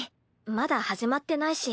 まだ始まってないし。